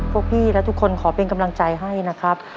พวกพี่และทุกคนขอเป็นกำลังใจให้นะครับ